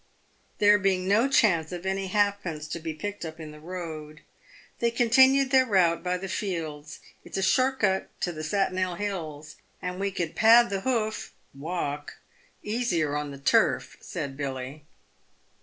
There being no chance of any halfpence to be picked up in the road, they continued their route by the fields. " It's a short cut to the Satnell Hills, and we can pad the hoof (walk) easier on the turf," said Billy.